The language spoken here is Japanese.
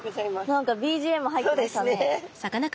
何かＢＧＭ入ってましたね。